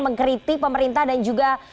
mengkritik pemerintah dan juga